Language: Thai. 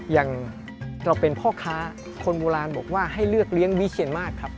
อย่างเราเป็นพ่อค้าคนโบราณบอกว่าให้เลือกเลี้ยงวิเชียนมากครับ